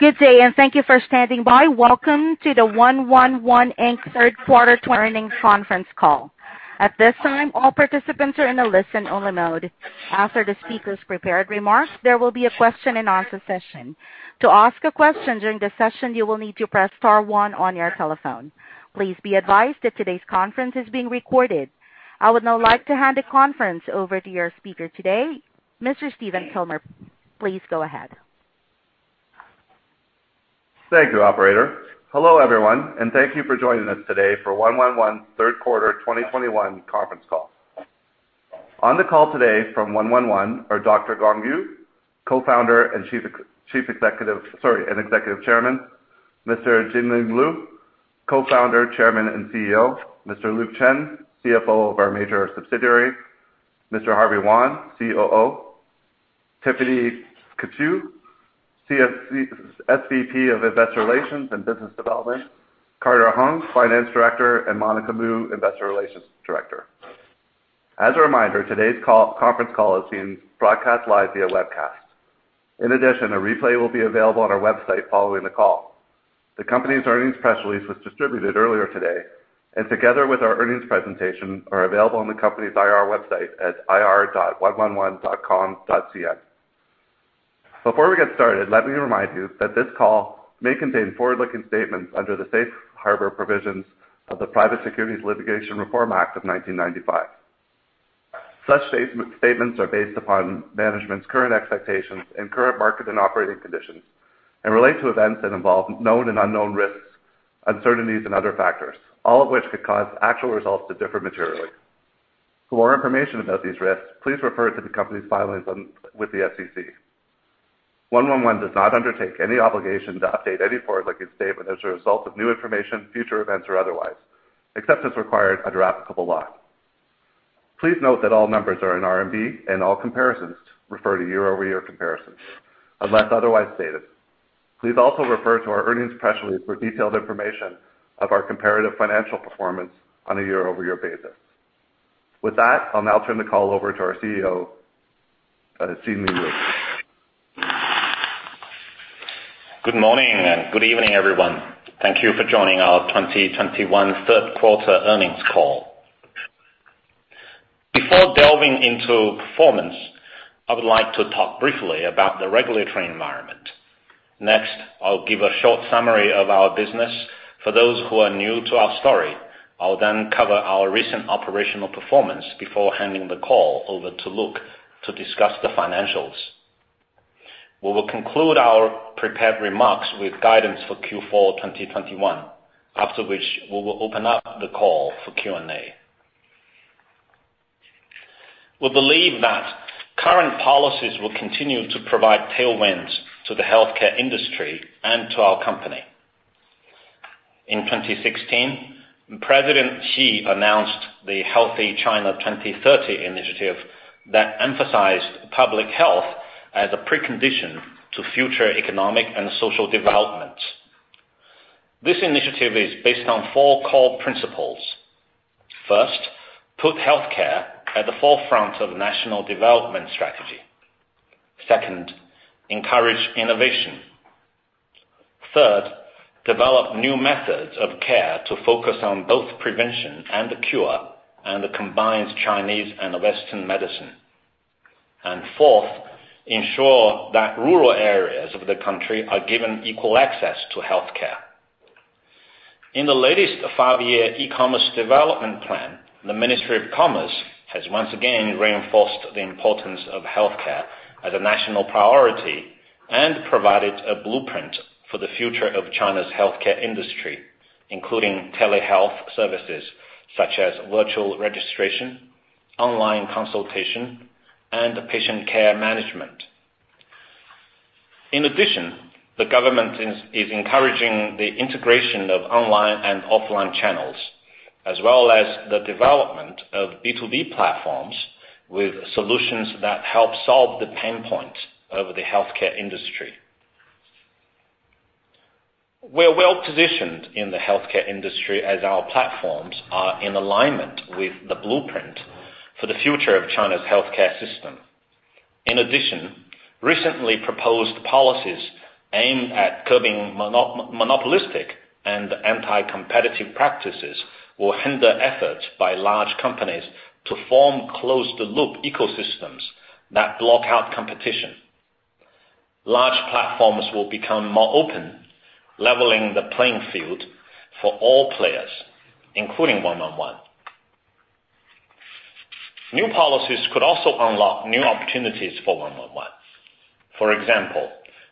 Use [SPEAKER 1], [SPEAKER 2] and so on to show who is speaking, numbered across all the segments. [SPEAKER 1] Good day, and thank you for standing by. Welcome to the 111, Inc. third quarter earnings conference call. At this time, all participants are in a listen-only mode. After the speakers' prepared remarks, there will be a question and answer session. To ask a question during the session, you will need to press star one on your telephone. Please be advised that today's conference is being recorded. I would now like to hand the conference over to your speaker today, Mr. Stephen Kilmer. Please go ahead.
[SPEAKER 2] Thank you, operator. Hello, everyone, and thank you for joining us today for 111 third quarter 2021 conference call. On the call today from 111 are Dr. Gang Yu, Co-Founder and Executive Chairman. Mr. Junling Liu, Co-Founder, Chairman, and CEO. Mr. Luke Chen, CFO of our Major Subsidiary. Mr. Harvey Wang, COO. Tiffany ZhuGe, SVP of Investor Relations and Business Development. Carter Huang, Finance Director, and Monica Mu, Investor Relations Director. As a reminder, today's conference call is being broadcast live via webcast. In addition, a replay will be available on our website following the call. The company's earnings press release was distributed earlier today, and together with our earnings presentation, are available on the company's IR website at ir.111.com.cn. Before we get started, let me remind you that this call may contain forward-looking statements under the Safe Harbor Provisions of the Private Securities Litigation Reform Act of 1995. Such statements are based upon management's current expectations and current market and operating conditions and relate to events that involve known and unknown risks, uncertainties, and other factors, all of which could cause actual results to differ materially. For more information about these risks, please refer to the company's filings with the SEC. 111 does not undertake any obligation to update any forward-looking statement as a result of new information, future events, or otherwise, except as required under applicable law. Please note that all numbers are in RMB and all comparisons refer to year-over-year comparisons unless otherwise stated. Please also refer to our earnings press release for detailed information of our comparative financial performance on a year-over-year basis. With that, I'll now turn the call over to our CEO, Junling Liu.
[SPEAKER 3] Good morning and good evening, everyone. Thank you for joining our 2021 third quarter earnings call. Before delving into performance, I would like to talk briefly about the regulatory environment. Next, I'll give a short summary of our business for those who are new to our story. I'll then cover our recent operational performance before handing the call over to Luke to discuss the financials. We will conclude our prepared remarks with guidance for Q4 2021. After which, we will open up the call for Q&A. We believe that current policies will continue to provide tailwinds to the healthcare industry and to our company. In 2016, President Xi announced the Healthy China 2030 initiative that emphasized public health as a precondition to future economic and social development. This initiative is based on four core principles. First, put healthcare at the forefront of national development strategy. Second, encourage innovation. Third, develop new methods of care to focus on both prevention and the cure, and that combines Chinese and Western medicine. Fourth, ensure that rural areas of the country are given equal access to healthcare. In the latest five-year e-commerce development plan, the Ministry of Commerce has once again reinforced the importance of healthcare as a national priority and provided a blueprint for the future of China's healthcare industry, including telehealth services such as virtual registration, online consultation, and patient care management. In addition, the government is encouraging the integration of online and offline channels, as well as the development of B2B platforms with solutions that help solve the pain point of the healthcare industry. We're well-positioned in the healthcare industry as our platforms are in alignment with the blueprint for the future of China's healthcare system. In addition, recently proposed policies aimed at curbing monopolistic and anti-competitive practices will hinder efforts by large companies to form closed-loop ecosystems that block out competition. Large platforms will become more open, leveling the playing field for all players, including 111. New policies could also unlock new opportunities for 111. For example,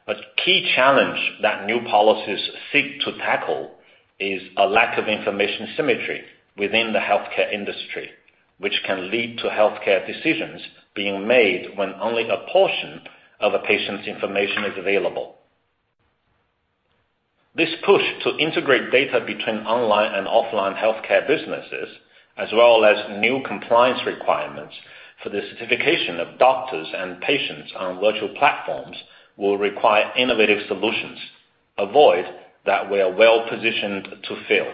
[SPEAKER 3] a key challenge that new policies seek to tackle is a lack of information asymmetry within the healthcare industry, which can lead to healthcare decisions being made when only a portion of a patient's information is available. This push to integrate data between online and offline healthcare businesses, as well as new compliance requirements for the certification of doctors and patients on virtual platforms, will require innovative solutions, a void that we are well-positioned to fill.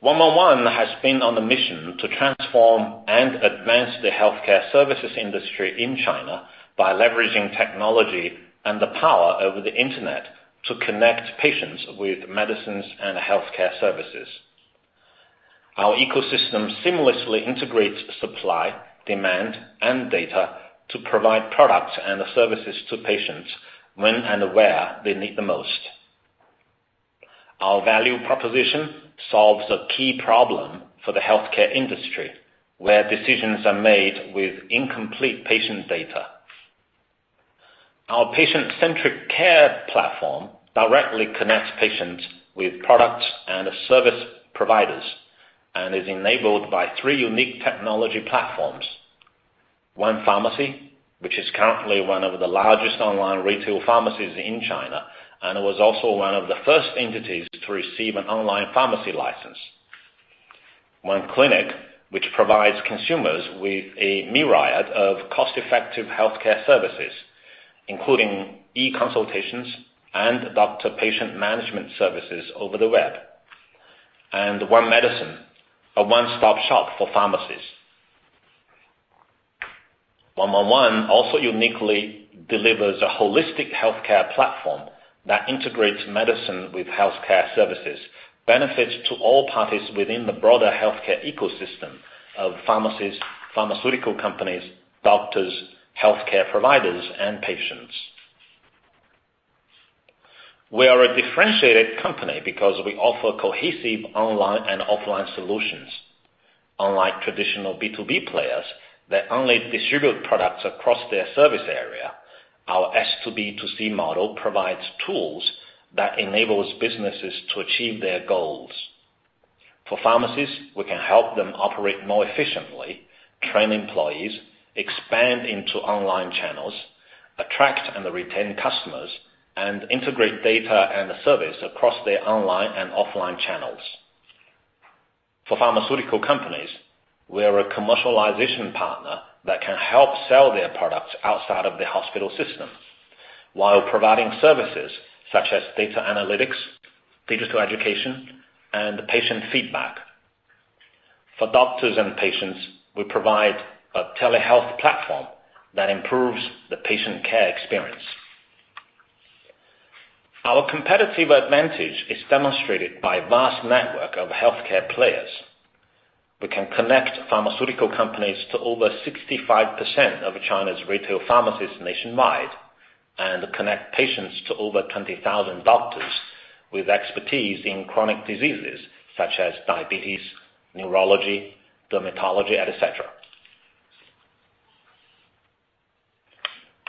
[SPEAKER 3] 111 has been on the mission to transform and advance the healthcare services industry in China by leveraging technology and the power of the Internet to connect patients with medicines and healthcare services. Our ecosystem seamlessly integrates supply, demand, and data to provide products and the services to patients when and where they need the most. Our value proposition solves a key problem for the healthcare industry, where decisions are made with incomplete patient data. Our patient-centric care platform directly connects patients with products and service providers, and is enabled by three unique technology platforms. 1 Pharmacy, which is currently one of the largest online retail pharmacies in China, and was also one of the first entities to receive an online pharmacy license. 1 Clinic, which provides consumers with a myriad of cost-effective healthcare services, including e-consultations and doctor-patient management services over the web. 1 Medicine, a one-stop shop for pharmacies. 111 also uniquely delivers a holistic healthcare platform that integrates medicine with healthcare services, benefits to all parties within the broader healthcare ecosystem of pharmacies, pharmaceutical companies, doctors, healthcare providers, and patients. We are a differentiated company because we offer cohesive online and offline solutions. Unlike traditional B2B players that only distribute products across their service area, our S2B2C model provides tools that enables businesses to achieve their goals. For pharmacies, we can help them operate more efficiently, train employees, expand into online channels, attract and retain customers, and integrate data and the service across their online and offline channels. For pharmaceutical companies, we are a commercialization partner that can help sell their products outside of the hospital system, while providing services such as data analytics, digital education, and patient feedback. For doctors and patients, we provide a telehealth platform that improves the patient care experience. Our competitive advantage is demonstrated by a vast network of healthcare players. We can connect pharmaceutical companies to over 65% of China's retail pharmacies nationwide, and connect patients to over 20,000 doctors with expertise in chronic diseases such as diabetes, neurology, dermatology, et cetera.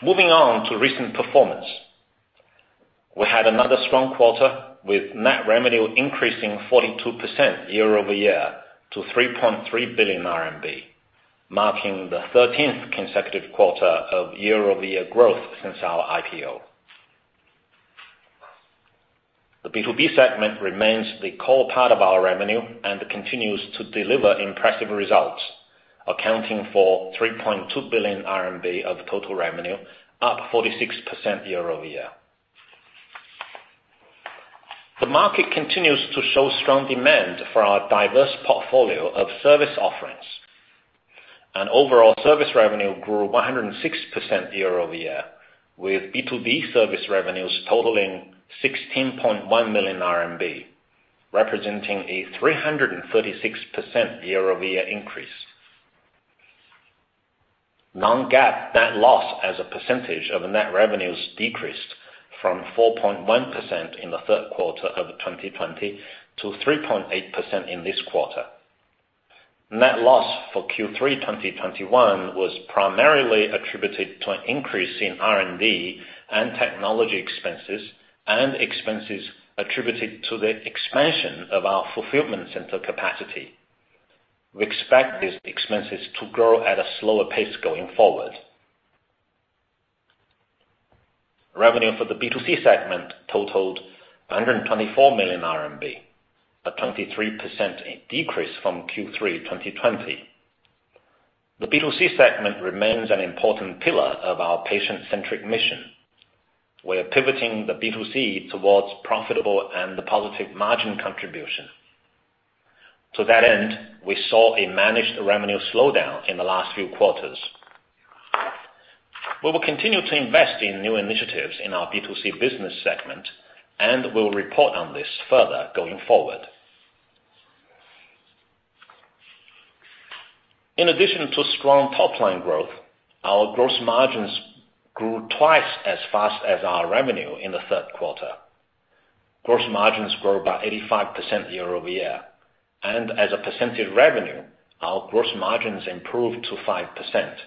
[SPEAKER 3] Moving on to recent performance. We had another strong quarter with net revenue increasing 42% year-over-year to 3.3 billion RMB, marking the 13th consecutive quarter of year-over-year growth since our IPO. The B2B segment remains the core part of our revenue and continues to deliver impressive results, accounting for 3.2 billion RMB of total revenue, up 46% year-over-year. The market continues to show strong demand for our diverse portfolio of service offerings, and overall service revenue grew 106% year-over-year, with B2B service revenues totaling 16.1 million RMB, representing a 336% year-over-year increase. Non-GAAP net loss as a percentage of net revenues decreased from 4.1% in the third quarter of 2020 to 3.8% in this quarter. Net loss for Q3 2021 was primarily attributed to an increase in R&D and technology expenses, and expenses attributed to the expansion of our fulfillment center capacity. We expect these expenses to grow at a slower pace going forward. Revenue for the B2C segment totaled 124 million RMB, a 23% decrease from Q3 2020. The B2C segment remains an important pillar of our patient-centric mission. We're pivoting the B2C towards profitable and the positive margin contribution. To that end, we saw a managed revenue slowdown in the last few quarters. We will continue to invest in new initiatives in our B2C business segment, and we'll report on this further going forward. In addition to strong top-line growth, our gross margins grew twice as fast as our revenue in the third quarter. Gross margins grew by 85% year-over-year, and as a percentage of revenue, our gross margins improved to 5%.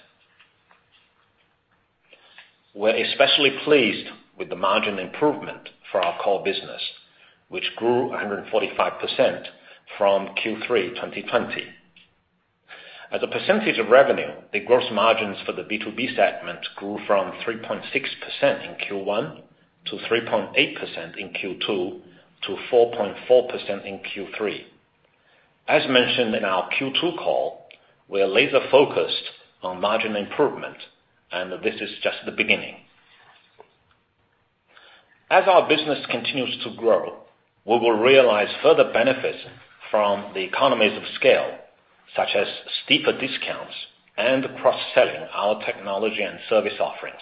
[SPEAKER 3] We're especially pleased with the margin improvement for our core business, which grew 145% from Q3 2020. As a percentage of revenue, the gross margins for the B2B segment grew from 3.6% in Q1 to 3.8% in Q2 to 4.4% in Q3. As mentioned in our Q2 call, we are laser-focused on margin improvement, and this is just the beginning. As our business continues to grow, we will realize further benefits from the economies of scale, such as steeper discounts and cross-selling our technology and service offerings.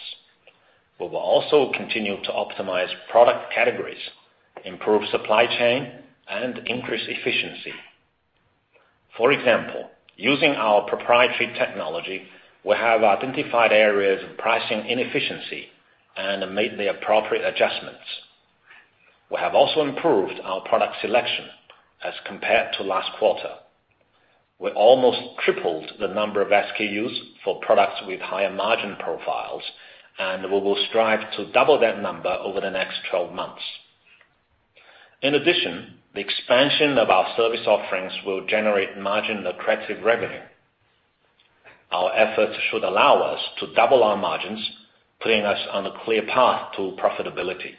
[SPEAKER 3] We will also continue to optimize product categories, improve supply chain, and increase efficiency. For example, using our proprietary technology, we have identified areas of pricing inefficiency and made the appropriate adjustments. We have also improved our product selection as compared to last quarter. We almost tripled the number of SKUs for products with higher margin profiles, and we will strive to double that number over the next 12 months. In addition, the expansion of our service offerings will generate margin-attractive revenue. Our efforts should allow us to double our margins, putting us on a clear path to profitability.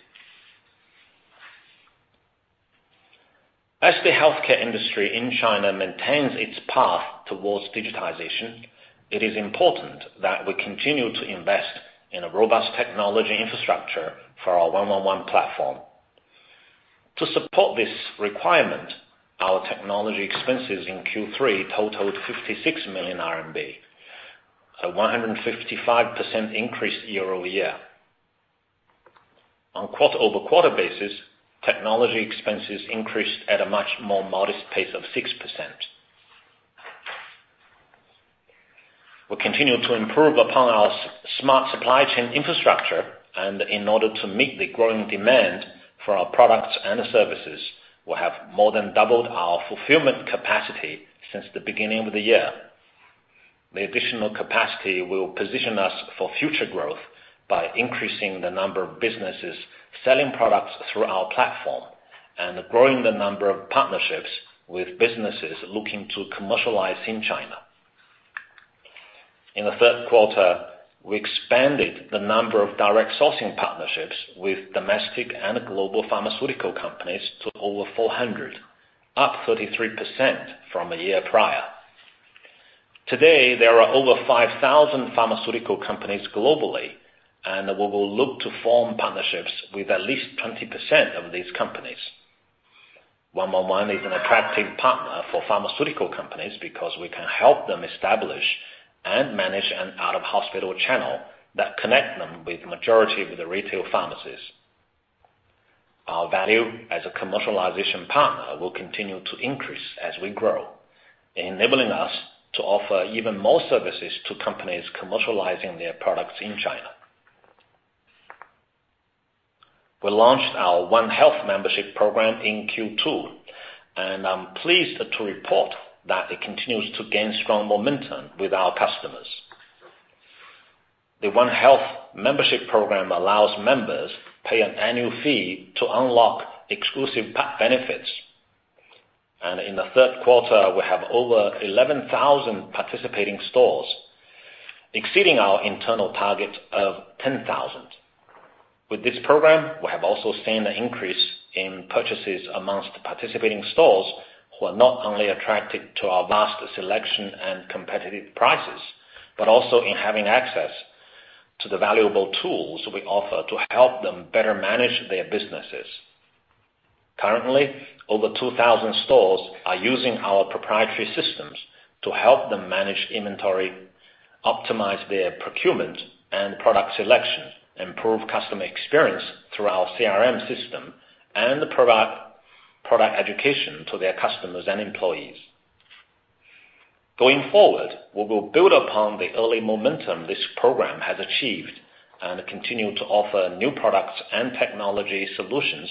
[SPEAKER 3] As the healthcare industry in China maintains its path towards digitization, it is important that we continue to invest in a robust technology infrastructure for our 111 platform. To support this requirement, our technology expenses in Q3 totaled 56 million RMB, a 155% increase year-over-year. On quarter-over-quarter basis, technology expenses increased at a much more modest pace of 6%. We continue to improve upon our smart supply chain infrastructure, and in order to meet the growing demand for our products and services, we have more than doubled our fulfillment capacity since the beginning of the year. The additional capacity will position us for future growth by increasing the number of businesses selling products through our platform and growing the number of partnerships with businesses looking to commercialize in China. In the third quarter, we expanded the number of direct sourcing partnerships with domestic and global pharmaceutical companies to over 400, up 33% from a year prior. Today, there are over 5,000 pharmaceutical companies globally, and we will look to form partnerships with at least 20% of these companies. 111 is an attractive partner for pharmaceutical companies because we can help them establish and manage an out-of-hospital channel that connect them with the majority of the retail pharmacies. Our value as a commercialization partner will continue to increase as we grow, enabling us to offer even more services to companies commercializing their products in China. We launched our 1 Health membership program in Q2, and I'm pleased to report that it continues to gain strong momentum with our customers. The 1 Health membership program allows members pay an annual fee to unlock exclusive benefits. In the third quarter, we have over 11,000 participating stores, exceeding our internal target of 10,000. With this program, we have also seen an increase in purchases among participating stores who are not only attracted to our vast selection and competitive prices, but also in having access to the valuable tools we offer to help them better manage their businesses. Currently, over 2,000 stores are using our proprietary systems to help them manage inventory, optimize their procurement and product selection, improve customer experience through our CRM system, and provide product education to their customers and employees. Going forward, we will build upon the early momentum this program has achieved and continue to offer new products and technology solutions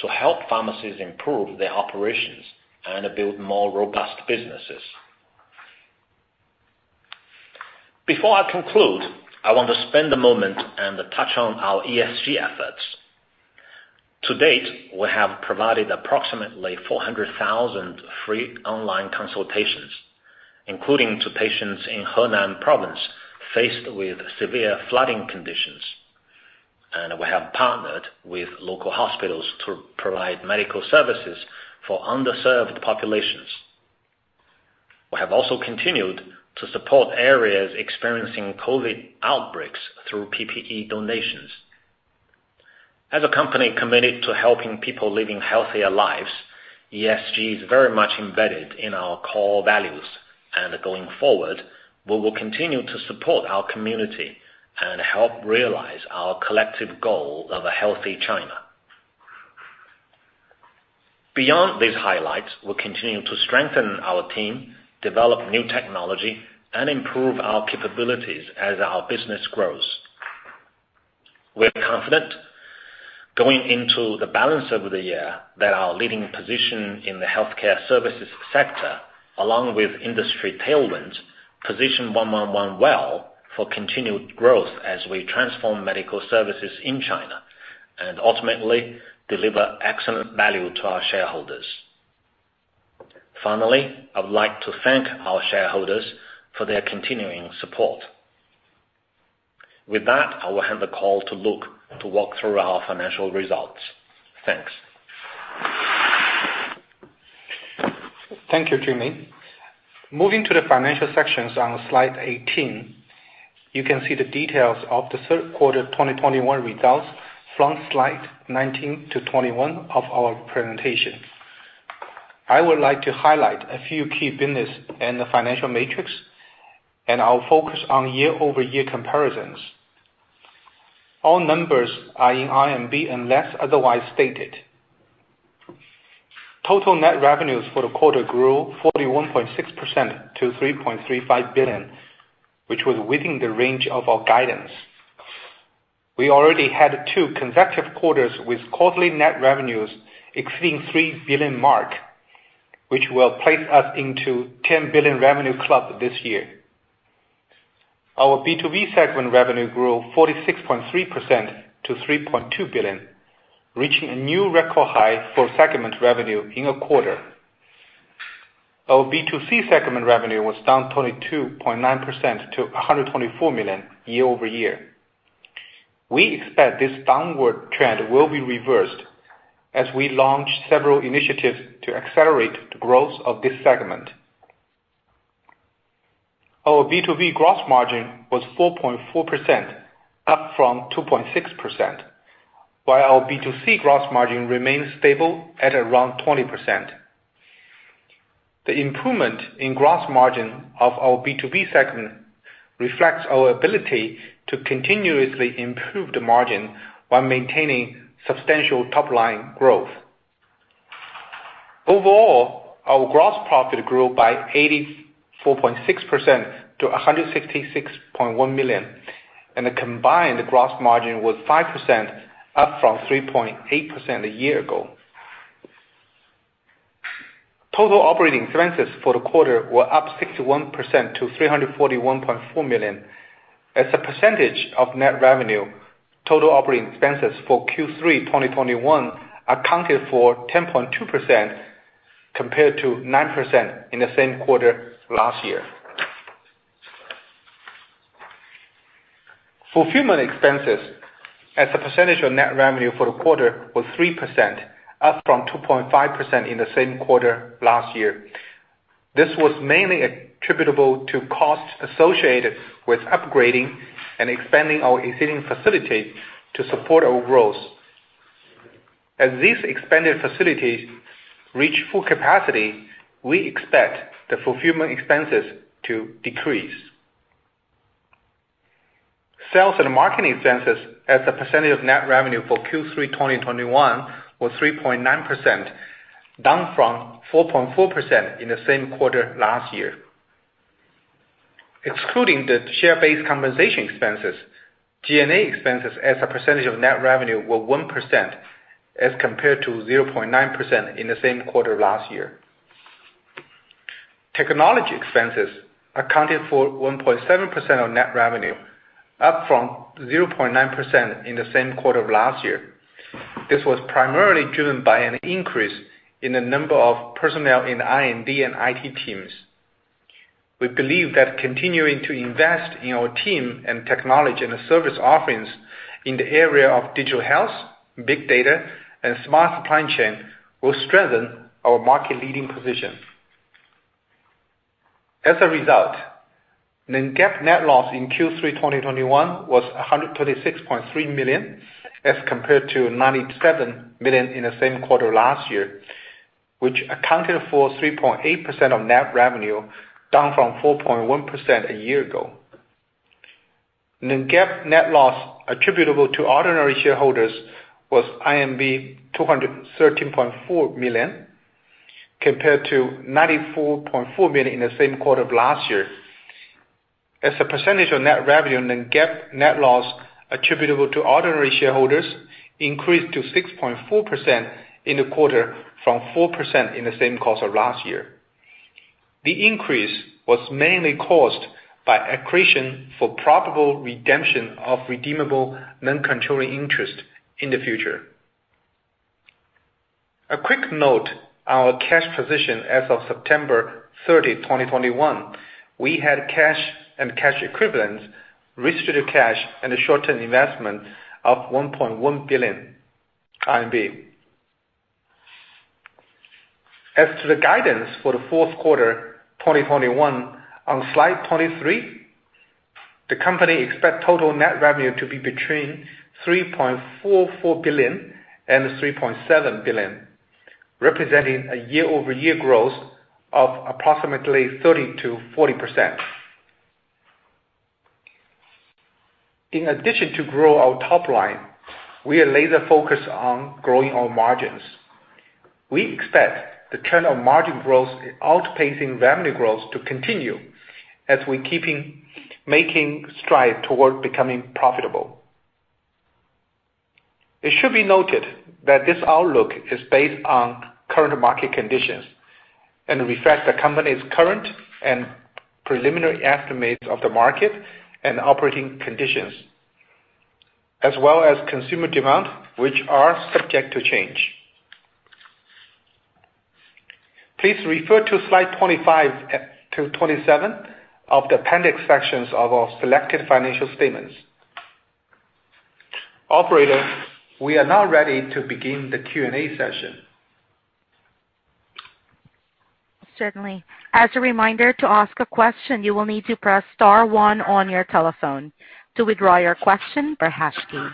[SPEAKER 3] to help pharmacies improve their operations and build more robust businesses. Before I conclude, I want to spend a moment and touch on our ESG efforts. To date, we have provided approximately 400,000 free online consultations, including to patients in Henan province faced with severe flooding conditions. We have partnered with local hospitals to provide medical services for underserved populations. We have also continued to support areas experiencing COVID outbreaks through PPE donations. As a company committed to helping people living healthier lives, ESG is very much embedded in our core values. Going forward, we will continue to support our community and help realize our collective goal of Healthy China. Beyond these highlights, we're continuing to strengthen our team, develop new technology, and improve our capabilities as our business grows. We're confident going into the balance of the year that our leading position in the healthcare services sector, along with industry tailwinds, position 111 well for continued growth as we transform medical services in China and ultimately deliver excellent value to our shareholders. Finally, I would like to thank our shareholders for their continuing support. With that, I will hand the call to Luke to walk through our financial results. Thanks.
[SPEAKER 4] Thank you, Junling. Moving to the financial sections on slide 18, you can see the details of the third quarter 2021 results from slide 19 to 21 of our presentation. I would like to highlight a few key business and financial metrics, and I'll focus on year-over-year comparisons. All numbers are in RMB, unless otherwise stated. Total net revenues for the quarter grew 41.6% to 3.35 billion, which was within the range of our guidance. We already had two consecutive quarters with quarterly net revenues exceeding 3 billion mark, which will place us into 10 billion revenue club this year. Our B2B segment revenue grew 46.3% to 3.2 billion, reaching a new record high for segment revenue in a quarter. Our B2C segment revenue was down 22.9% to 124 million year-over-year. We expect this downward trend will be reversed as we launch several initiatives to accelerate the growth of this segment. Our B2B gross margin was 4.4%, up from 2.6%, while our B2C gross margin remains stable at around 20%. The improvement in gross margin of our B2B segment reflects our ability to continuously improve the margin while maintaining substantial top-line growth. Overall, our gross profit grew by 84.6% to 166.1 million, and the combined gross margin was 5%, up from 3.8% a year ago. Total operating expenses for the quarter were up 61% to 341.4 million. As a percentage of net revenue, total operating expenses for Q3 2021 accounted for 10.2% compared to 9% in the same quarter last year. Fulfillment expenses as a percentage of net revenue for the quarter was 3%, up from 2.5% in the same quarter last year. This was mainly attributable to costs associated with upgrading and expanding our existing facility to support our growth. As these expanded facilities reach full capacity, we expect the fulfillment expenses to decrease. Sales and marketing expenses as a percentage of net revenue for Q3 2021 was 3.9%, down from 4.4% in the same quarter last year. Excluding the share-based compensation expenses, G&A expenses as a percentage of net revenue were 1% as compared to 0.9% in the same quarter last year. Technology expenses accounted for 1.7% of net revenue, up from 0.9% in the same quarter of last year. This was primarily driven by an increase in the number of personnel in R&D and IT teams. We believe that continuing to invest in our team and technology and service offerings in the area of digital health, big data, and smart supply chain will strengthen our market leading position. As a result, non-GAAP net loss in Q3 2021 was 126.3 million, as compared to 97 million in the same quarter last year, which accounted for 3.8% of net revenue, down from 4.1% a year ago. Non-GAAP net loss attributable to ordinary shareholders was 213.4 million, compared to 94.4 million in the same quarter of last year. As a percentage of net revenue, non-GAAP net loss attributable to ordinary shareholders increased to 6.4% in the quarter, from 4% in the same quarter last year. The increase was mainly caused by accretion for probable redemption of redeemable non-controlling interest in the future. A quick note, our cash position as of September 30, 2021, we had cash and cash equivalents, restricted cash and short-term investments of RMB 1.1 billion. As to the guidance for the fourth quarter 2021, on slide 23, the company expect total net revenue to be between 3.44 billion and 3.7 billion, representing a year-over-year growth of approximately 30%-40%. In addition to grow our top line, we are laser focused on growing our margins. We expect the trend of margin growth outpacing revenue growth to continue as we keep making strides toward becoming profitable. It should be noted that this outlook is based on current market conditions and reflect the company's current and preliminary estimates of the market and operating conditions, as well as consumer demand, which are subject to change. Please refer to slide 25 to 27 of the appendix sections of our selected financial statements. Operator, we are now ready to begin the Q&A session.
[SPEAKER 1] Certainly. As a reminder, to ask a question, you will need to press star one on your telephone. To withdraw your question, the hash key.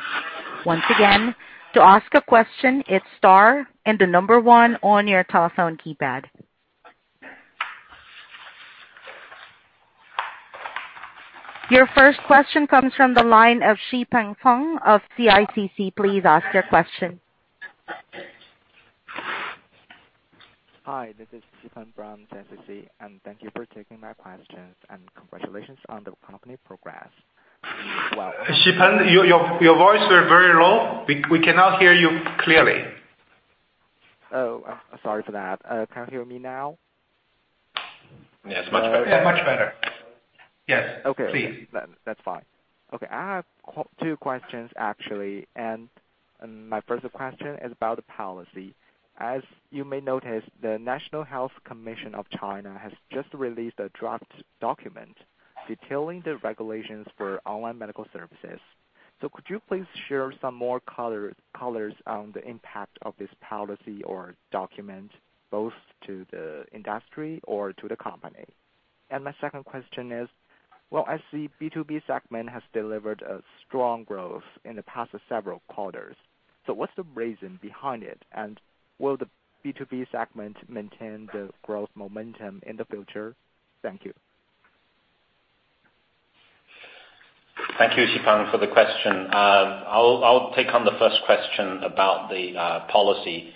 [SPEAKER 1] Once again, to ask a question, it's star and the number one on your telephone keypad. Your first question comes from the line of Xipeng Feng of CICC. Please ask your question.
[SPEAKER 5] Hi, this is Xipeng Feng from CICC, and thank you for taking my questions, and congratulations on the company progress.
[SPEAKER 3] Xipeng, your voice was very low. We cannot hear you clearly.
[SPEAKER 5] Oh, sorry for that. Can you hear me now?
[SPEAKER 4] Yes, much better.
[SPEAKER 3] Yeah, much better. Yes.
[SPEAKER 5] Okay.
[SPEAKER 3] Please.
[SPEAKER 5] That's fine. Okay, I have two questions, actually. My first question is about policy. As you may notice, the National Health Commission of China has just released a draft document detailing the regulations for online medical services. Could you please share some more colors on the impact of this policy or document, both to the industry or to the company? My second question is, well, I see B2B segment has delivered a strong growth in the past several quarters. What's the reason behind it? Will the B2B segment maintain the growth momentum in the future? Thank you.
[SPEAKER 3] Thank you, Xipeng, for the question. I'll take on the first question about the policy.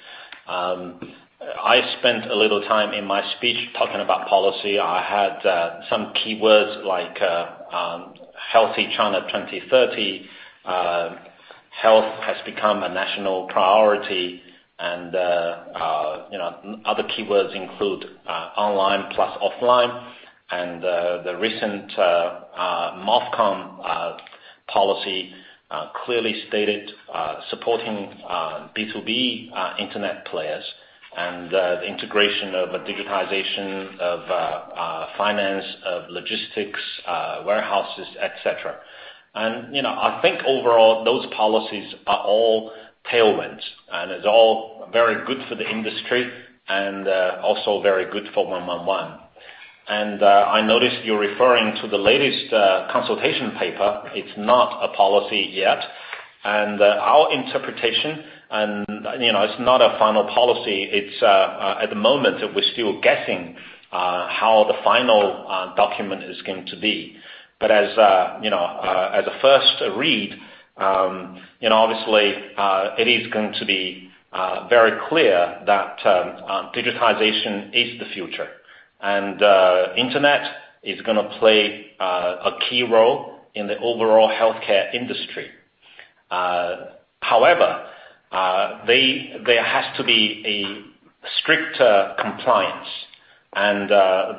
[SPEAKER 3] I spent a little time in my speech talking about policy. I had some keywords like Healthy China 2030. Health has become a national priority and you know other keywords include online plus offline. The recent MOFCOM policy clearly stated supporting B2B internet players and the integration of a digitization of finance of logistics warehouses et cetera. You know, I think overall, those policies are all tailwinds, and it's all very good for the industry and also very good for 111. I noticed you're referring to the latest consultation paper. It's not a policy yet. Our interpretation and, you know, it's not a final policy, it's at the moment, we're still guessing how the final document is going to be. As you know, as a first read, you know, obviously, it is going to be very clear that digitization is the future and internet is gonna play a key role in the overall healthcare industry. However, there has to be a stricter compliance, and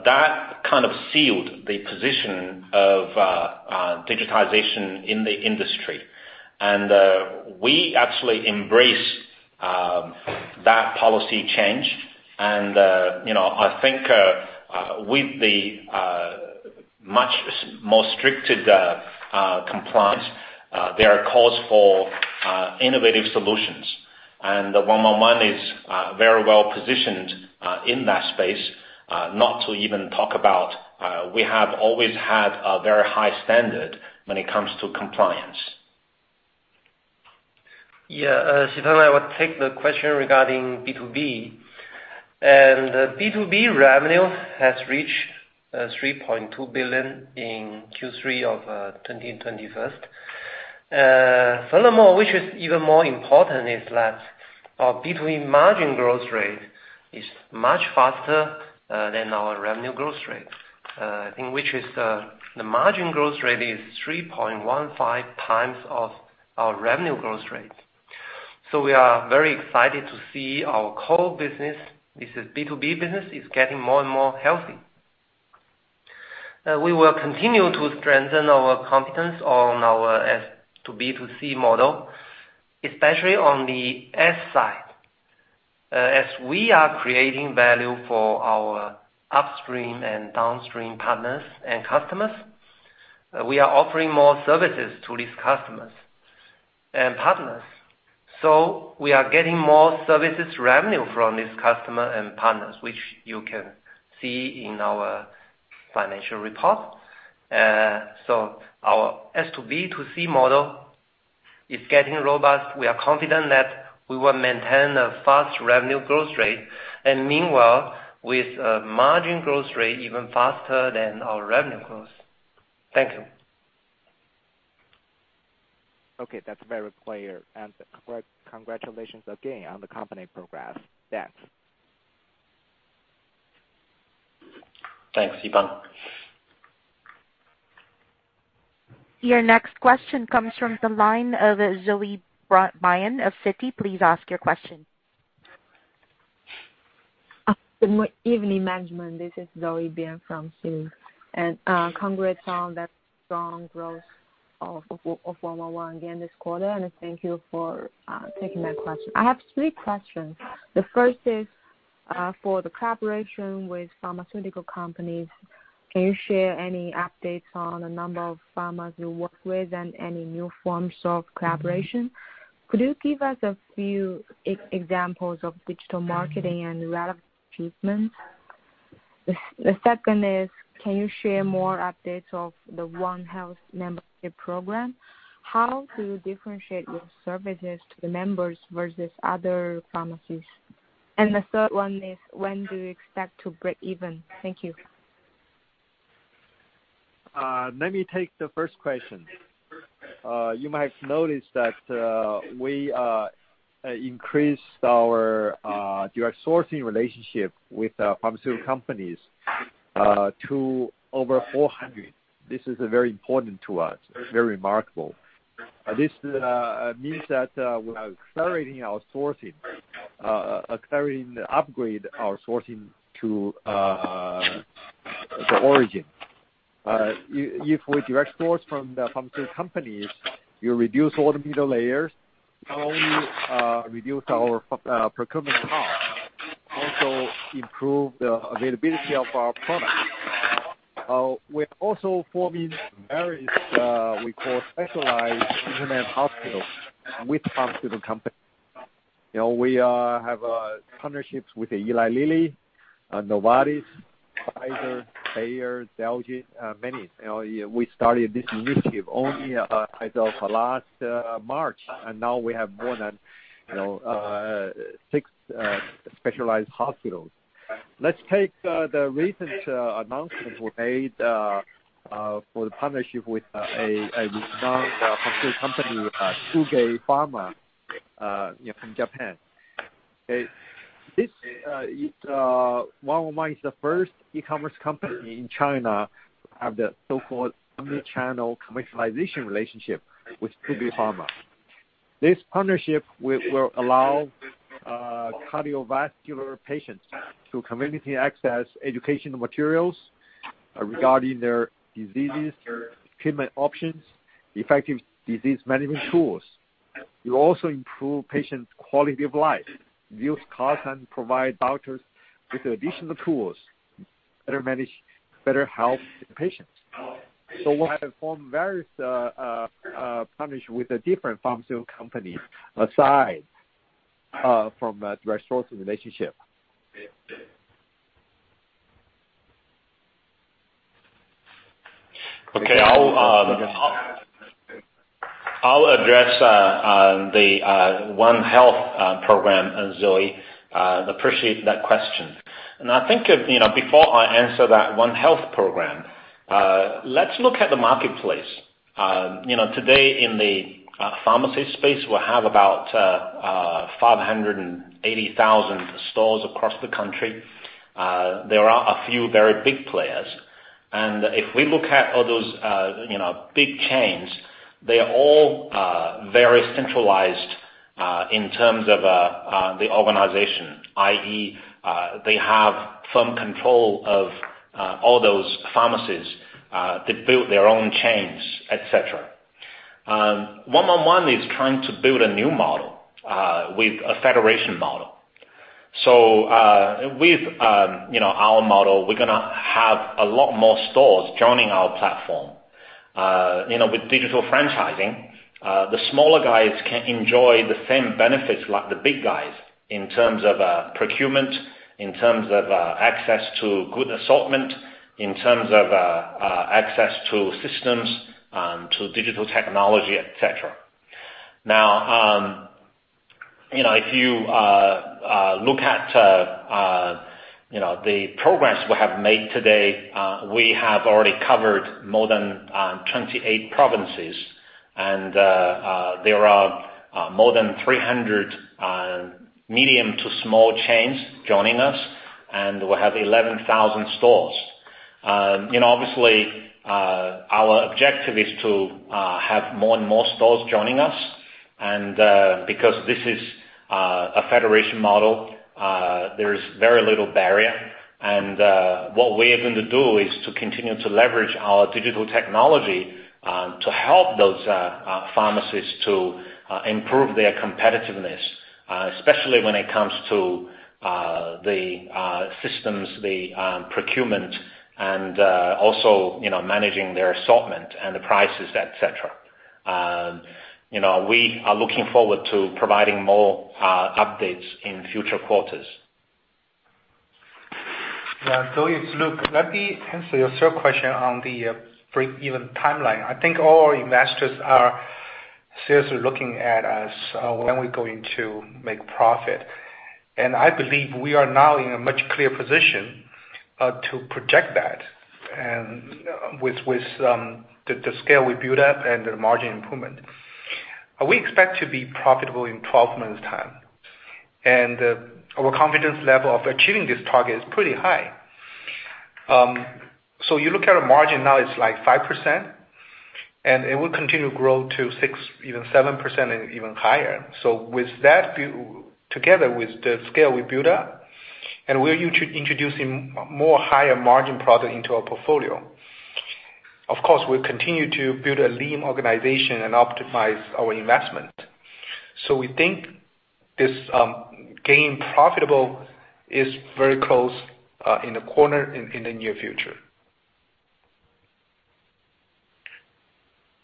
[SPEAKER 3] that kind of sealed the position of digitization in the industry. We actually embrace that policy change. You know, I think with the much more strict compliance, there are calls for innovative solutions. 111 is very well-positioned in that space, not to even talk about. We have always had a very high standard when it comes to compliance.
[SPEAKER 6] Yeah, Xipeng, I will take the question regarding B2B. B2B revenue has reached 3.2 billion in Q3 2021. Furthermore, which is even more important, is that our B2B margin growth rate is much faster than our revenue growth rate. In which the margin growth rate is 3.15x of our revenue growth rate. We are very excited to see our core business, this is B2B business, is getting more and more healthy. We will continue to strengthen our competence on our S2B2C model, especially on the S side. As we are creating value for our upstream and downstream partners and customers, we are offering more services to these customers and partners. We are getting more services revenue from these customers and partners, which you can see in our financial report. Our S2B2C model is getting robust. We are confident that we will maintain a fast revenue growth rate and meanwhile with a margin growth rate even faster than our revenue growth. Thank you.
[SPEAKER 5] Okay, that's very clear. Congratulations again on the company progress. Thanks.
[SPEAKER 3] Thanks, Xipeng.
[SPEAKER 1] Your next question comes from the line of Zoe Bian of Citi. Please ask your question.
[SPEAKER 7] Good evening, management. This is Zoe Bian from Citi. Congrats on that strong growth of 111 again this quarter. Thank you for taking my question. I have three questions. The first is- For the collaboration with pharmaceutical companies, can you share any updates on the number of pharmas you work with and any new forms of collaboration? Could you give us a few examples of digital marketing and relevant achievements? The second is, can you share more updates of the 1 Health membership program? How do you differentiate your services to the members versus other pharmacies? The third one is when do you expect to break even? Thank you.
[SPEAKER 8] Let me take the first question. You might notice that we are increased our direct sourcing relationship with pharmaceutical companies to over 400. This is very important to us, very remarkable. This means that we are accelerating the upgrade of our sourcing to the origin. If we direct source from the pharmaceutical companies, you reduce all the middle layers, not only reduce our procurement cost, also improve the availability of our products. We're also forming various, we call specialized internet hospitals with pharmaceutical companies. You know, we have partnerships with Eli Lilly, Novartis, Pfizer, Bayer, Celgene, many. You know, we started this initiative only as of last March, and now we have more than, you know, six specialized hospitals. Let's take the recent announcement we made for the partnership with a renowned pharmaceutical company, Chugai Pharma from Japan. Okay. This is 111 is the first e-commerce company in China to have the so-called omni-channel commercialization relationship with Chugai Pharma. This partnership will allow cardiovascular patients to conveniently access educational materials regarding their diseases, treatment options, effective disease management tools. We also improve patients' quality of life, reduce costs, and provide doctors with additional tools to better manage health in patients. We have formed various partnership with the different pharmaceutical companies aside from a direct sourcing relationship.
[SPEAKER 3] Okay. I'll address the 1 Health program, Zoe. Appreciate that question. I think, you know, before I answer that 1 Health program, let's look at the marketplace. You know, today in the pharmacy space, we have about 580,000 stores across the country. There are a few very big players. If we look at all those, you know, big chains, they are all very centralized in terms of the organization, i.e., they have some control of all those pharmacies that build their own chains, et cetera. 111 is trying to build a new model with a federation model. With our model, we're gonna have a lot more stores joining our platform. You know, with digital franchising, the smaller guys can enjoy the same benefits like the big guys in terms of procurement, in terms of access to good assortment, in terms of access to systems, to digital technology, et cetera. Now, you know, if you look at, you know, the progress we have made today, we have already covered more than 28 provinces, and there are more than 300 medium to small chains joining us, and we have 11,000 stores. You know, obviously, our objective is to have more and more stores joining us, and because this is a federation model, there is very little barrier. What we are going to do is to continue to leverage our digital technology to help those pharmacies to improve their competitiveness, especially when it comes to the systems, the procurement and also, you know, managing their assortment and the prices, et cetera. You know, we are looking forward to providing more updates in future quarters.
[SPEAKER 4] Yeah. Zoe, it's Luke. Let me answer your third question on the break-even timeline. I think all our investors are seriously looking at us when we're going to make profit. I believe we are now in a much clear position to project that, and with the scale we built up and the margin improvement. We expect to be profitable in 12 months time. Our confidence level of achieving this target is pretty high. You look at our margin now, it's like 5%, and it will continue to grow to 6%, even 7% and even higher. With that together with the scale we built up, and we're introducing more higher margin product into our portfolio. Of course, we'll continue to build a lean organization and optimize our investment. We think this profitability is very close, around the corner, in the near future.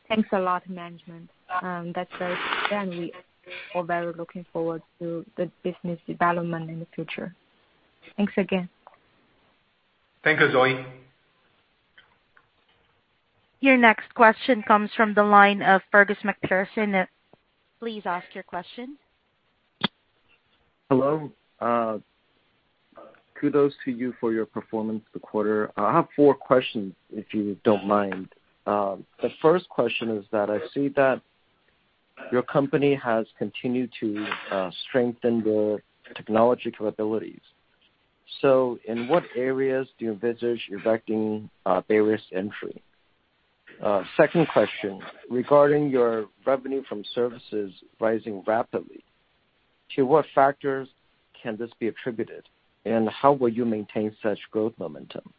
[SPEAKER 7] Thanks a lot, management. That's very clear. We are very looking forward to the business development in the future. Thanks again.
[SPEAKER 3] Thank you, Zoe.
[SPEAKER 1] Your next question comes from the line of Fergus MacPherson. Please ask your question.
[SPEAKER 9] Hello. Kudos to you for your performance this quarter. I have four questions, if you don't mind. The first question is that I see that your company has continued to strengthen your technological abilities. In what areas do you envisage enacting various entry? Second question, regarding your revenue from services rising rapidly, to what factors can this be attributed, and how will you maintain such growth momentum?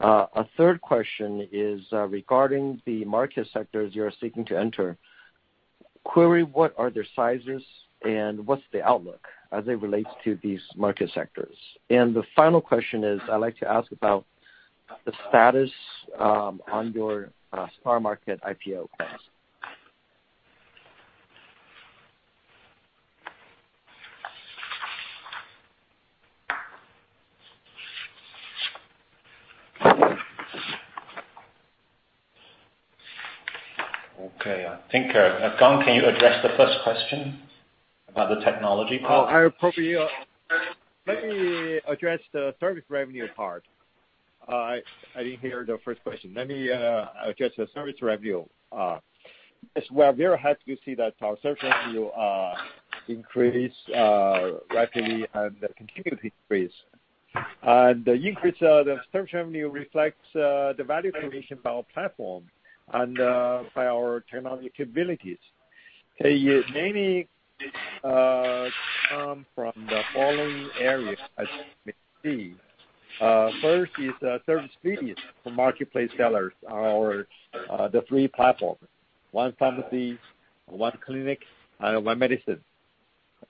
[SPEAKER 9] A third question is regarding the market sectors you are seeking to enter. What are their sizes and what's the outlook as it relates to these market sectors? The final question is I'd like to ask about the status on your stock market IPO plans.
[SPEAKER 3] Okay. I think, Gang, can you address the first question about the technology part?
[SPEAKER 8] Let me address the service revenue part. I didn't hear the first question. Let me address the service revenue. Yes, we are very happy to see that our service revenue increase rapidly and continue to increase. The increase of the service revenue reflects the value creation of our platform and by our technology capabilities. Okay. Many come from the following areas, as you may see. First is service fees for marketplace sellers or the three platforms, 1 Pharmacy, 1 Clinic, and 1 Medicine.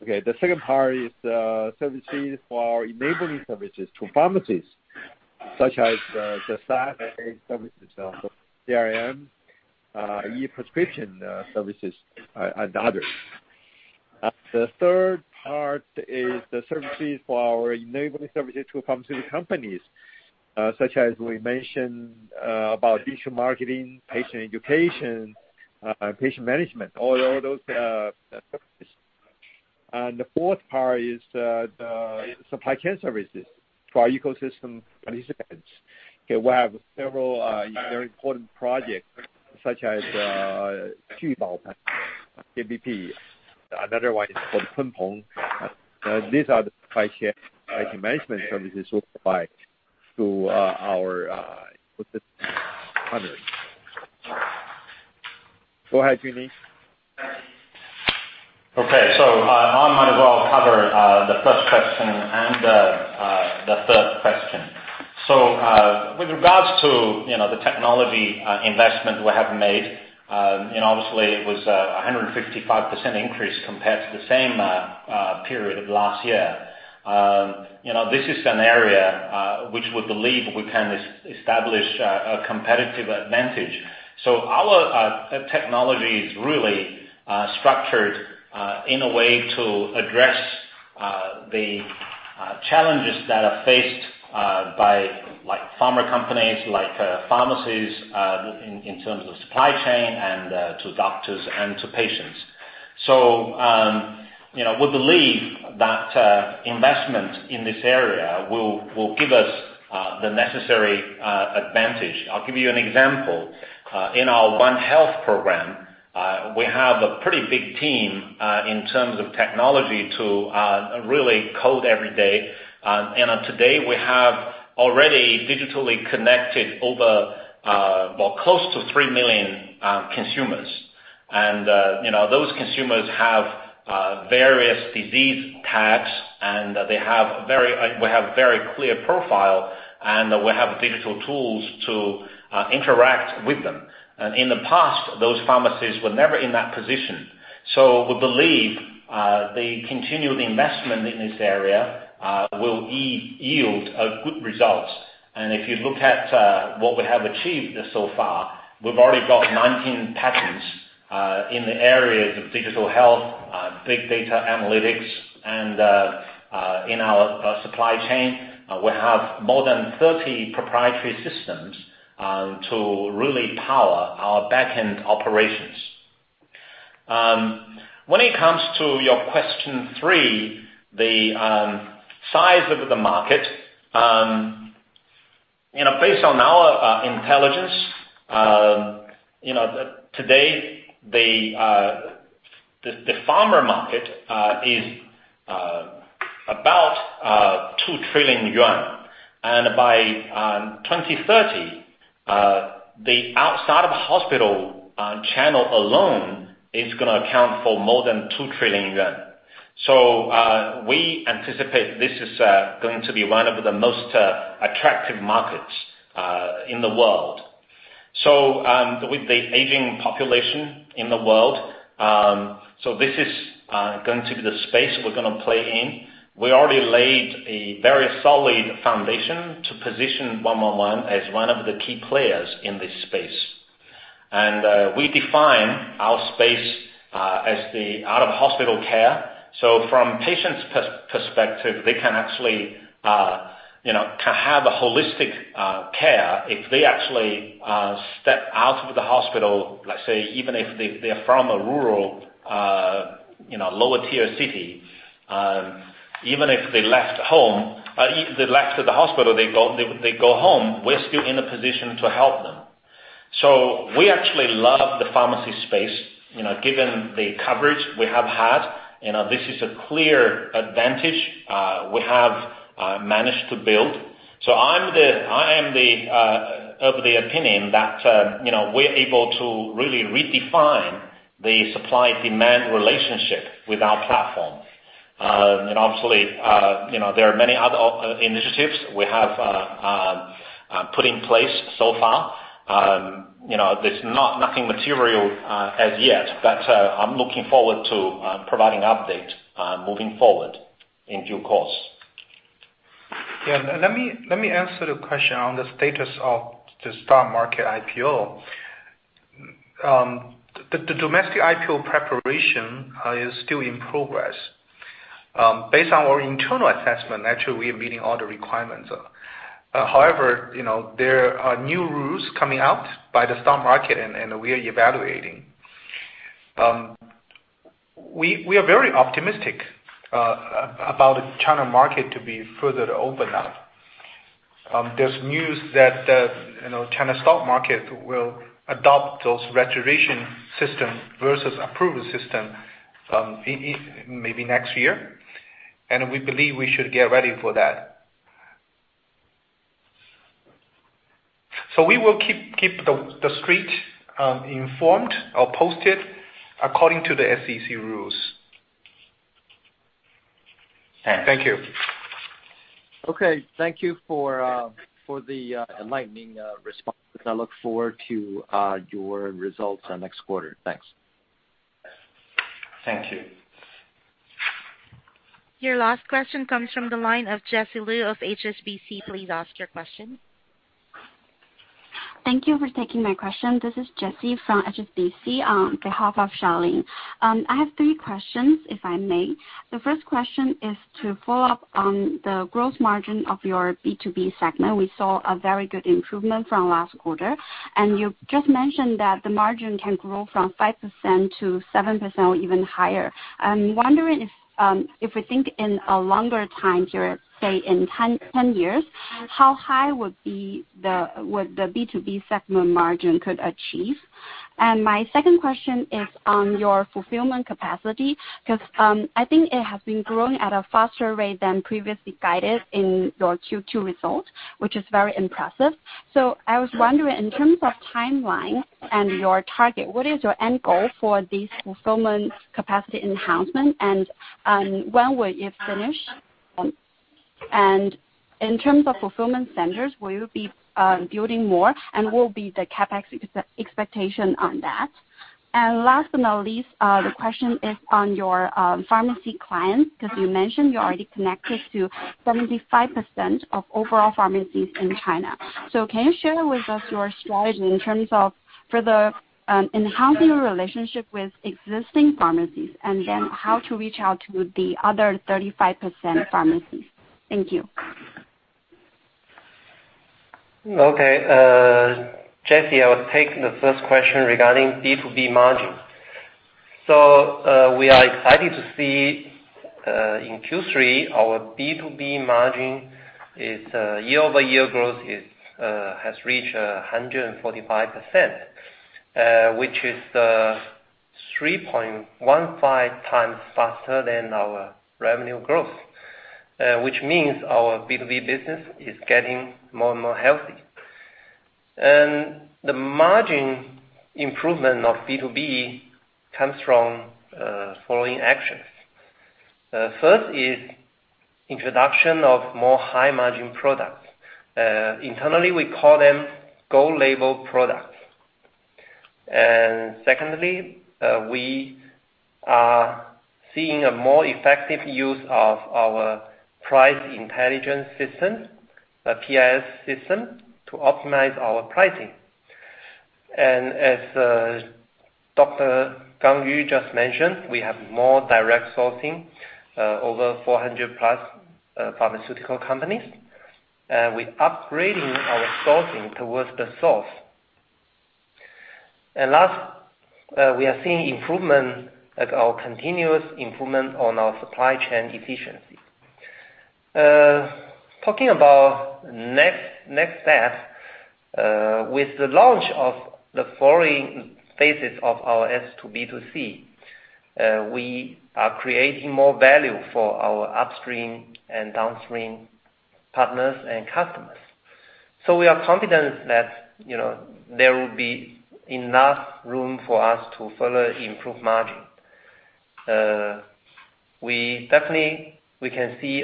[SPEAKER 8] Okay. The second part is services for enabling services to pharmacies, such as the SaaS services, CRM, e-prescription services and others. The third part is the services for our enabling services to pharmacy companies, such as we mentioned, about digital marketing, patient education, patient management, all those services. The fourth part is the supply chain services for our ecosystem participants. Okay. We have several very important projects such as Jubao, JBP. Another one is called Kunpeng. These are the supply chain management services offered to our ecosystem partners. Go ahead, Junling.
[SPEAKER 3] Okay. I might as well cover the first question and the third question. With regards to, you know, the technology investment we have made, you know, obviously it was a 155% increase compared to the same period last year. You know, this is an area which we believe we can establish a competitive advantage. Our technology is really structured in a way to address the challenges that are faced by, like, pharma companies, like, pharmacies, in terms of supply chain and to doctors and to patients. You know, we believe that investment in this area will give us the necessary advantage. I'll give you an example. In our 1 Health program, we have a pretty big team in terms of technology to really code every day. Today we have already digitally connected over, well, close to 3 million consumers. You know, those consumers have various disease tags, and they have very, we have very clear profile and we have digital tools to interact with them. In the past, those pharmacies were never in that position. We believe the continued investment in this area will yield good results. If you look at what we have achieved so far, we've already got 19 patents in the areas of digital health, big data analytics, and in our supply chain, we have more than 30 proprietary systems to really power our back-end operations. When it comes to your question three, the size of the market, you know, based on our intelligence, you know, today, the pharma market is about RMB 2 trillion. By 2030, the outside of hospital channel alone is gonna account for more than 2 trillion yuan. We anticipate this is going to be one of the most attractive markets in the world. With the aging population in the world, this is going to be the space we're gonna play in. We already laid a very solid foundation to position one one one as one of the key players in this space. We define our space as the out-of-hospital care. From patients' perspective, they can actually you know have a holistic care if they actually step out of the hospital, let's say even if they're from a rural you know lower tier city, even if they left the hospital, they go home, we're still in a position to help them. We actually love the pharmacy space, you know, given the coverage we have had, you know. This is a clear advantage we have managed to build. I am of the opinion that, you know, we're able to really redefine the supply-demand relationship with our platform. Obviously, you know, there are many other initiatives we have put in place so far. You know, there's nothing material as yet, but I'm looking forward to providing update moving forward in due course.
[SPEAKER 4] Yeah. Let me answer the question on the status of the stock market IPO. The domestic IPO preparation is still in progress. Based on our internal assessment, actually, we are meeting all the requirements. However, you know, there are new rules coming out by the stock market, and we are evaluating. We are very optimistic about the China market to be further opened up. There's news that, you know, the China stock market will adopt the registration system versus approval system, maybe next year, and we believe we should get ready for that. We will keep the street informed or posted according to the SEC rules.
[SPEAKER 3] Thank you.
[SPEAKER 9] Okay. Thank you for the enlightening response. I look forward to your results on next quarter. Thanks.
[SPEAKER 3] Thank you.
[SPEAKER 1] Your last question comes from the line of Jessie Lu of HSBC. Please ask your question.
[SPEAKER 10] Thank you for taking my question. This is Jessie from HSBC on behalf of Charlene. I have three questions, if I may. The first question is to follow up on the gross margin of your B2B segment. We saw a very good improvement from last quarter, and you just mentioned that the margin can grow from 5% to 7% or even higher. I'm wondering if we think in a longer time period, say in 10 years, how high would the B2B segment margin could achieve? My second question is on your fulfillment capacity, 'cause I think it has been growing at a faster rate than previously guided in your Q2 results, which is very impressive. I was wondering in terms of timeline and your target, what is your end goal for this fulfillment capacity enhancement and when will it finish? In terms of fulfillment centers, will you be building more, and what will be the CapEx expectation on that? Last but not least, the question is on your pharmacy clients, 'cause you mentioned you're already connected to 75% of overall pharmacies in China. Can you share with us your strategy in terms of further enhancing your relationship with existing pharmacies and then how to reach out to the other 35% pharmacies? Thank you.
[SPEAKER 6] Okay. Jessie, I'll take the first question regarding B2B margin. We are excited to see in Q3, our B2B margin year-over-year growth has reached 145%, which is 3.15x faster than our revenue growth. Which means our B2B business is getting more and more healthy. The margin improvement of B2B comes from following actions. First is introduction of more high-margin products. Internally, we call them gold label products. Secondly, we are seeing a more effective use of our price intelligence system, a PI system, to optimize our pricing. As Dr. Gang Yu just mentioned, we have more direct sourcing over 400+ pharmaceutical companies. We're upgrading our sourcing towards the source. Last, we are seeing improvement, like our continuous improvement on our supply chain efficiency. Talking about next step, with the launch of the following phases of our S2B2C, we are creating more value for our upstream and downstream partners and customers. We are confident that, you know, there will be enough room for us to further improve margin. We definitely can see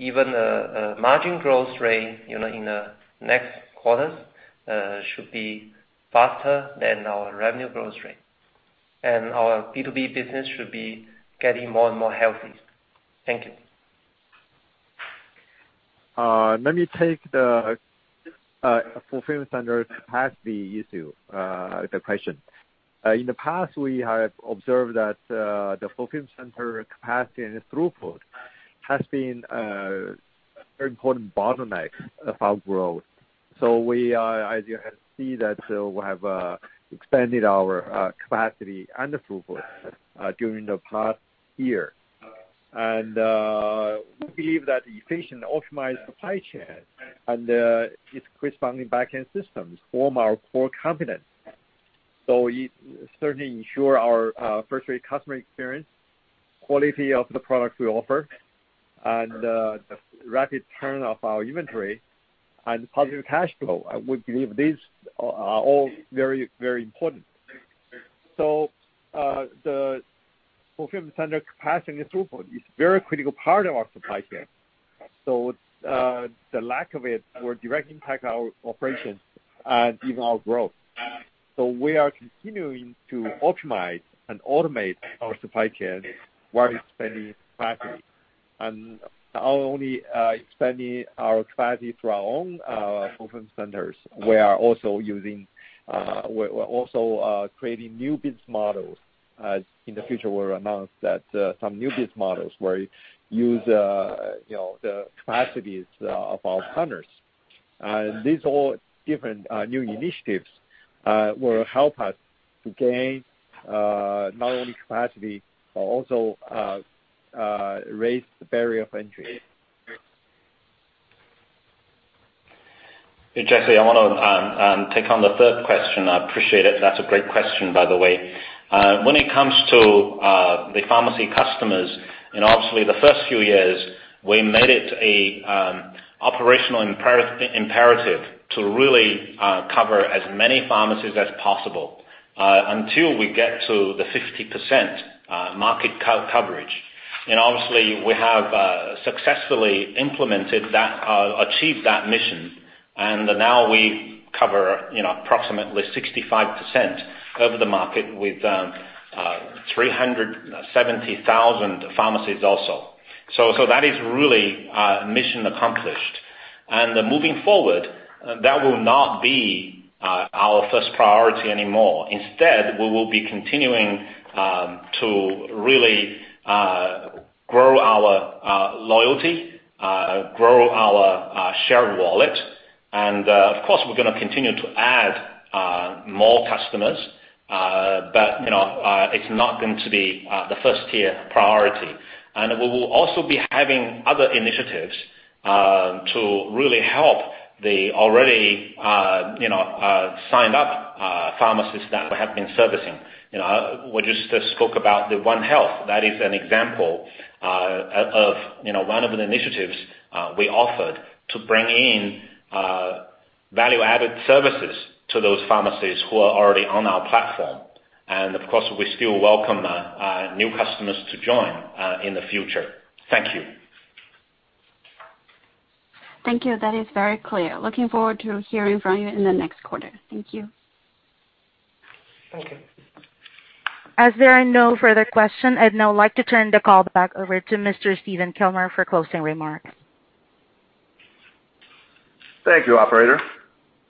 [SPEAKER 6] even a margin growth rate, you know, in the next quarters, should be faster than our revenue growth rate. Our B2B business should be getting more and more healthy. Thank you.
[SPEAKER 8] Let me take the fulfillment center capacity issue, the question. In the past, we have observed that the fulfillment center capacity and its throughput has been a very important bottleneck of our growth. As you can see, we have expanded our capacity and the throughput during the past year. We believe that efficient optimized supply chain and its corresponding back-end systems form our core competence. It certainly ensure our first-rate customer experience, quality of the products we offer, and the rapid turn of our inventory and positive cash flow. We believe these are all very, very important. The fulfillment center capacity and throughput is very critical part of our supply chain. The lack of it will directly impact our operations and even our growth. We are continuing to optimize and automate our supply chain while expanding capacity. Not only expanding our capacity through our own fulfillment centers, we are also creating new business models. As in the future, we'll announce that some new business models will use you know the capacities of our partners. These all different new initiatives will help us to gain not only capacity, but also raise the barrier of entry.
[SPEAKER 3] Hey, Jessie, I wanna take on the third question. I appreciate it. That's a great question, by the way. When it comes to the pharmacy customers, and obviously the first few years, we made it a operational imperative to really cover as many pharmacies as possible until we get to the 50% market coverage. Obviously, we have successfully implemented that, achieved that mission. Now we cover, you know, approximately 65% of the market with 370,000 pharmacies also. That is really mission accomplished. Moving forward, that will not be our first priority anymore. Instead, we will be continuing to really grow our loyalty, grow our shared wallet. Of course, we're gonna continue to add more customers, but you know, it's not going to be the first tier priority. We will also be having other initiatives to really help the already you know signed up pharmacists that we have been servicing. You know, we just spoke about the 1 Health. That is an example of you know one of the initiatives we offered to bring in value-added services to those pharmacies who are already on our platform. Of course, we still welcome new customers to join in the future. Thank you.
[SPEAKER 10] Thank you. That is very clear. Looking forward to hearing from you in the next quarter. Thank you.
[SPEAKER 3] Thank you.
[SPEAKER 1] As there are no further questions, I'd now like to turn the call back over to Mr. Stephen Kilmer for closing remarks.
[SPEAKER 2] Thank you, operator.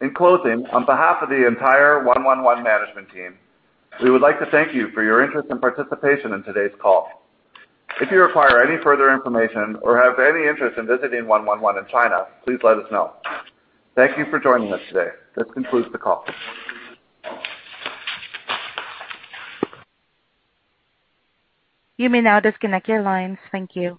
[SPEAKER 2] In closing, on behalf of the entire 111 management team, we would like to thank you for your interest and participation in today's call. If you require any further information or have any interest in visiting 111 in China, please let us know. Thank you for joining us today. This concludes the call.
[SPEAKER 1] You may now disconnect your lines. Thank you.